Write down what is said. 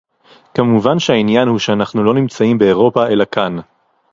כמובן שהעניין הוא שאנחנו לא נמצאים באירופה אלא כאן